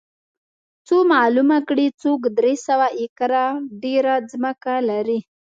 څو معلومه کړي څوک درې سوه ایکره ډېره ځمکه لري